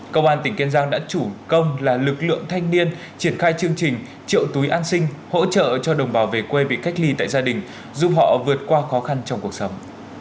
công an tỉnh kiên giang đã chủ công là lực lượng thanh niên triển khai chương trình triệu túi an sinh hỗ trợ cho đồng bào về quê bị cách ly tại gia đình giúp họ vượt qua khó khăn trong cuộc sống